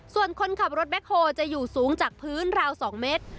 ส่วนคนขับรถแม็กโฮตักทรายจะอยู่สูงจากพื้นข้าง๒เมตร